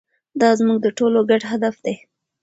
دا زموږ د ټولو ګډ هدف دی.